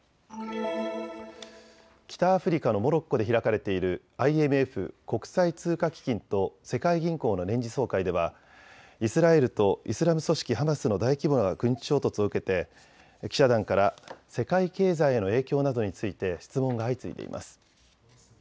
北アフリカのモロッコで開かれているＩＭＦ・国際通貨基金と世界銀行の年次総会ではイスラエルとイスラム組織ハマスの大規模な軍事衝突を受けて記者団から世界経済への影響などについて質問が相次いでいます。